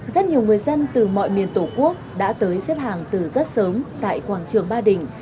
rất nhiều người dân từ mọi miền tổ quốc đã tới xếp hàng từ rất sớm tại quảng trường ba đình